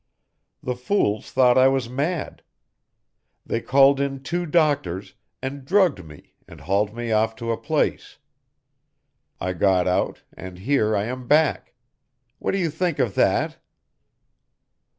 The fools thought I was mad. They called in two doctors and drugged me and hauled me off to a place. I got out, and here I am back. What do you think of that?"